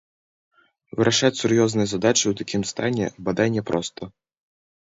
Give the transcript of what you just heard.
Вырашаць сур'ёзныя задачы ў такім стане, бадай, няпроста.